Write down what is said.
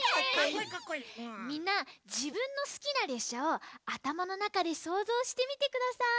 みんなじぶんのすきなれっしゃをあたまのなかでそうぞうしてみてください。